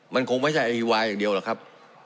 มันคงไม่ใช่ไอวาอย่างเดียวหรอกครับ